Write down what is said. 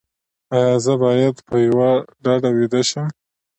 ایا زه باید په یوه ډډه ویده شم؟